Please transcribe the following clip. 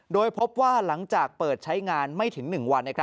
โดยพบว่าหลังจากเปิดใช้งานไม่ถึง๑วัน